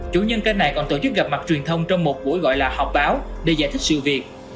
chủ nhân kênh này còn tổ chức gặp mặt truyền thông trong một buổi gọi là họp báo để giải thích sự việc